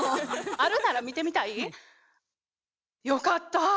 あるなら見てみたい？よかった。